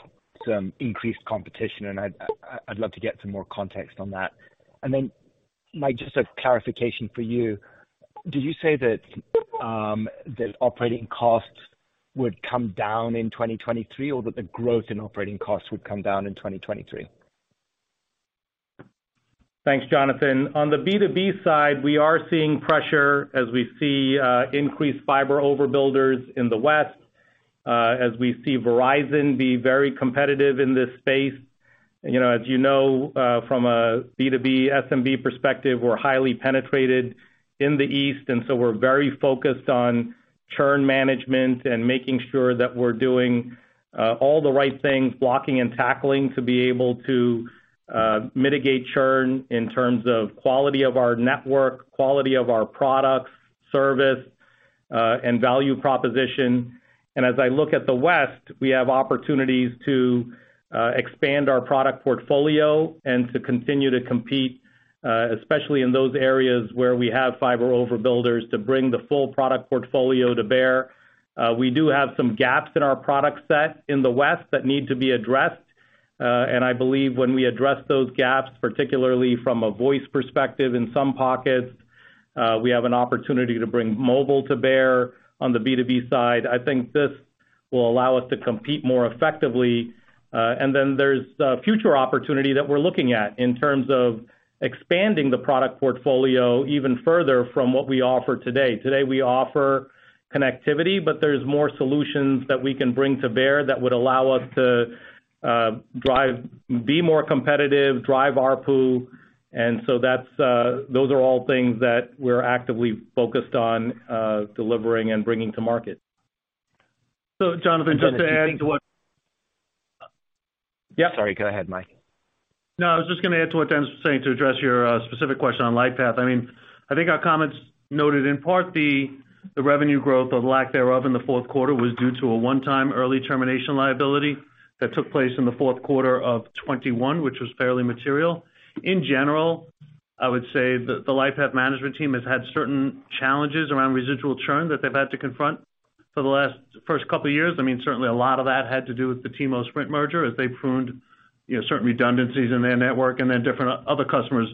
some increased competition, and I'd love to get some more context on that. Then, Mike, just a clarification for you. Did you say that operating costs would come down in 2023 or that the growth in operating costs would come down in 2023? Thanks, Jonathan. On the B2B side, we are seeing pressure as we see increased fiber overbuilders in the West, as we see Verizon be very competitive in this space. You know, as you know, from a B2B SMB perspective, we're highly penetrated in the East, so we're very focused on churn management and making sure that we're doing all the right things, blocking and tackling to be able to mitigate churn in terms of quality of our network, quality of our products, service, and value proposition. As I look at the West, we have opportunities to expand our product portfolio and to continue to compete, especially in those areas where we have fiber overbuilders to bring the full product portfolio to bear. We do have some gaps in our product set in the West that need to be addressed. And i believe when we address those gaps, particularly from a voice perspective in some pockets, we have an opportunity to bring mobile to bear on the B2B side. I think this will allow us to compete more effectively. There's the future opportunity that we're looking at in terms of expanding the product portfolio even further from what we offer today. Today, we offer connectivity, but there's more solutions that we can bring to bear that would allow us to be more competitive, drive ARPU. That's, those are all things that we're actively focused on delivering and bringing to market. Jonathan, just to add to. Sorry, go ahead, Mike. I was just gonna add to what Tim's saying to address your specific question on Lightpath. I mean, I think our comments noted in part the revenue growth or lack thereof in the fourth quarter was due to a one-time early termination liability that took place in the fourth quarter of 2021, which was fairly material. In general, I would say the Lightpath management team has had certain challenges around residual churn that they've had to confront for the last first couple of years. I mean, certainly a lot of that had to do with the T-Mobile-Sprint merger as they pruned, you know, certain redundancies in their network and then different other customers.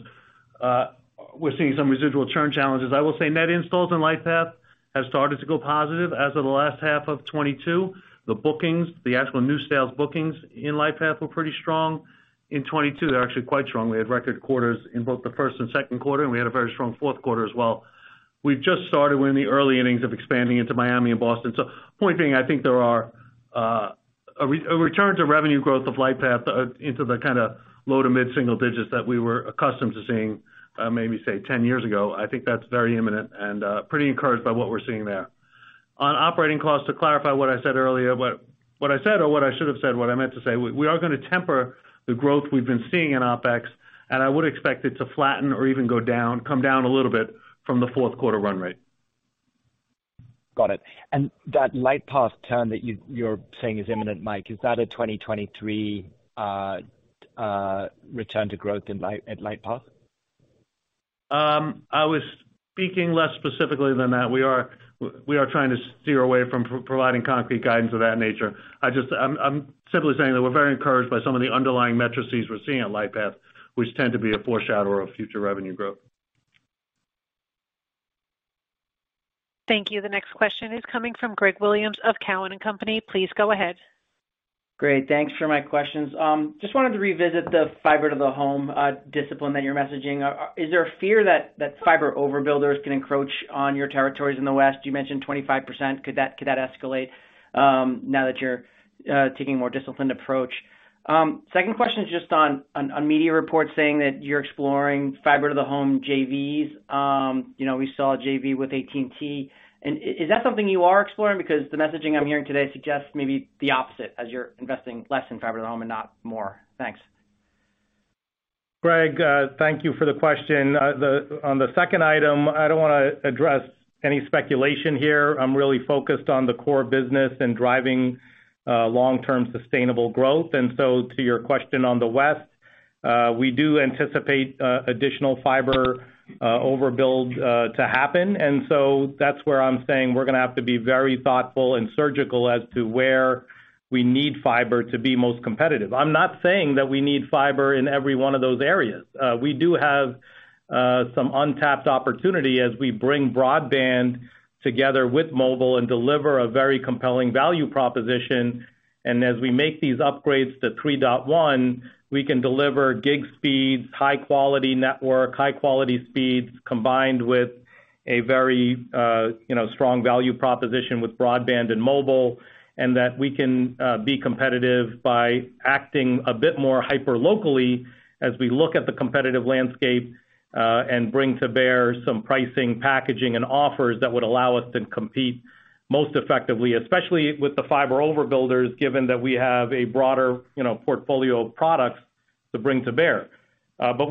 We're seeing some residual churn challenges. I will say net installs in Lightpath has started to go positive as of the last half of 2022. The bookings, the actual new sales bookings in Lightpath were pretty strong. In 2022, they're actually quite strong. We had record quarters in both the first and second quarter, and we had a very strong fourth quarter as well. We've just started. We're in the early innings of expanding into Miami and Boston. Point being, I think there are a return to revenue growth of Lightpath into the kinda low to mid-single digits that we were accustomed to seeing maybe say 10 years ago. I think that's very imminent and pretty encouraged by what we're seeing there. On operating costs, to clarify what I said earlier, but what I said or what I should have said, what I meant to say, we are gonna temper the growth we've been seeing in OpEx, and I would expect it to flatten or even go down, come down a little bit from the fourth quarter run rate. Got it. That Lightpath turn that you're saying is imminent, Mike, is that a 2023 return to growth at Lightpath? I was speaking less specifically than that. We are trying to steer away from providing concrete guidance of that nature. I'm simply saying that we're very encouraged by some of the underlying metrics we're seeing at Lightpath, which tend to be a foreshadow of future revenue growth. Thank you. The next question is coming from Greg Williams of Cowen and Company. Please go ahead. Great. Thanks for my questions. Just wanted to revisit the fiber to the home discipline that you're messaging. Is there a fear that fiber overbuilders can encroach on your territories in the West? You mentioned 25%. Could that escalate now that you're taking a more disciplined approach? Second question is just on media reports saying that you're exploring fiber to the home JVs. You know, we saw a JV with AT&T. Is that something you are exploring? Because the messaging I'm hearing today suggests maybe the opposite as you're investing less in fiber to the home and not more. Thanks. Greg, thank you for the question. On the second item, I don't wanna address any speculation here. I'm really focused on the core business and driving long-term sustainable growth. To your question on the West, we do anticipate additional fiber overbuild to happen. That's where I'm saying we're gonna have to be very thoughtful and surgical as to where we need fiber to be most competitive. I'm not saying that we need fiber in every one of those areas. We do have some untapped opportunity as we bring broadband together with mobile and deliver a very compelling value proposition. As we make these upgrades to DOCSIS 3.1, we can deliver gig speeds, high quality network, high quality speeds, combined with a very, you know, strong value proposition with broadband and mobile, and that we can be competitive by acting a bit more hyper locally as we look at the competitive landscape, and bring to bear some pricing, packaging, and offers that would allow us to compete most effectively, especially with the fiber overbuilders, given that we have a broader, you know, portfolio of products to bring to bear.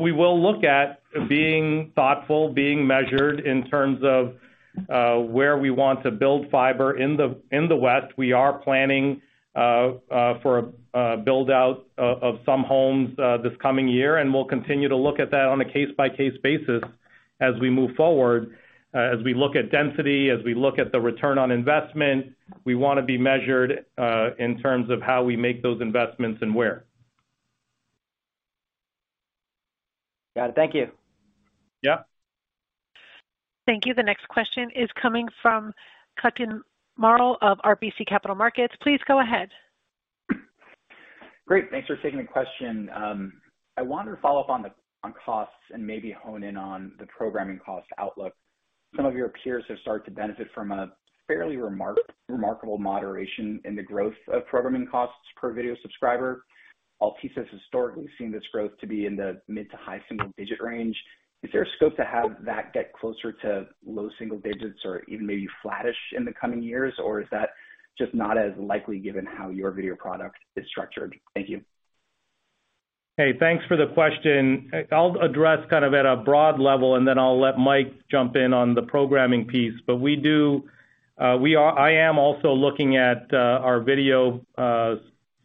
We will look at being thoughtful, being measured in terms of where we want to build fiber in the West. We are planning for a build-out of some homes this coming year, and we'll continue to look at that on a case-by-case basis as we move forward. As we look at density, as we look at the return on investment, we wanna be measured in terms of how we make those investments and where. Got it. Thank you. Yeah. Thank you. The next question is coming from Kutgun Maral of RBC Capital Markets. Please go ahead. Great. Thanks for taking the question. I wanted to follow up on costs and maybe hone in on the programming cost outlook. Some of your peers have started to benefit from a fairly remarkable moderation in the growth of programming costs per video subscriber. Optimum has historically seen this growth to be in the mid-to-high single-digit range. Is there a scope to have that get closer to low single digits or even maybe flattish in the coming years? Is that just not as likely given how your video product is structured? Thank you. Hey, thanks for the question. I'll address kind of at a broad level. I'll let Mike jump in on the programming piece. We do. I am also looking at our video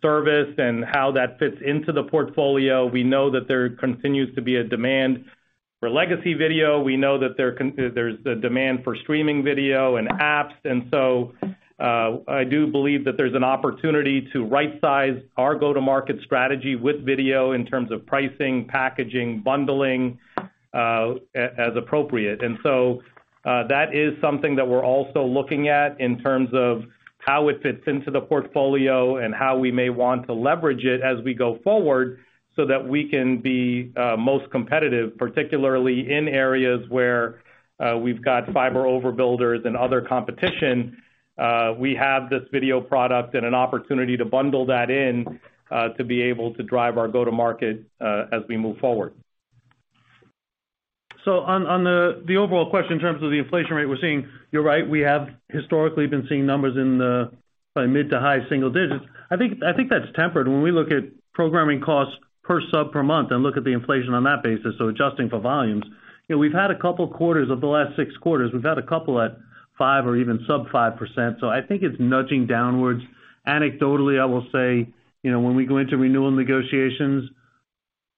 service and how that fits into the portfolio. We know that there continues to be a demand for legacy video. We know that there's a demand for streaming video and apps. I do believe that there's an opportunity to right size our go-to-market strategy with video in terms of pricing, packaging, bundling, as appropriate. That is something that we're also looking at in terms of how it fits into the portfolio and how we may want to leverage it as we go forward so that we can be most competitive, particularly in areas where we've got fiber overbuilders and other competition. We have this video product and an opportunity to bundle that in to be able to drive our go-to-market as we move forward. On the overall question in terms of the inflation rate we're seeing, you're right, we have historically been seeing numbers in the mid to high single digits. I think that's tempered when we look at programming costs per sub per month and look at the inflation on that basis, so adjusting for volumes. You know, we've had a couple quarters of the last six quarters. We've had a couple at five or even sub 5%, so I think it's nudging downwards. Anecdotally, I will say, you know, when we go into renewal negotiations,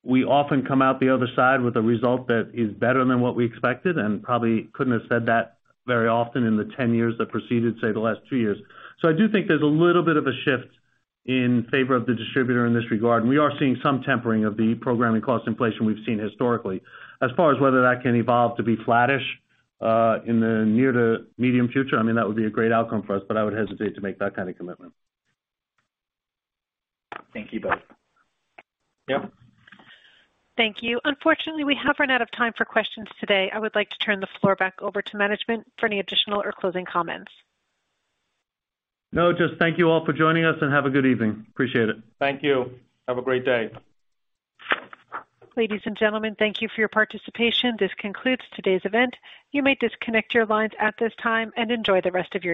we often come out the other side with a result that is better than what we expected, and probably couldn't have said that very often in the 10 years that preceded, say, the last two years. I do think there's a little bit of a shift in favor of the distributor in this regard. We are seeing some tempering of the programming cost inflation we've seen historically. As far as whether that can evolve to be flattish, in the near to medium future, I mean, that would be a great outcome for us, but I would hesitate to make that kind of commitment. Thank you both. Yep. Thank you. Unfortunately, we have run out of time for questions today. I would like to turn the floor back over to management for any additional or closing comments. No, just thank you all for joining us and have a good evening. Appreciate it. Thank you. Have a great day. Ladies and gentlemen, thank you for your participation. This concludes today's event. You may disconnect your lines at this time and enjoy the rest of your day.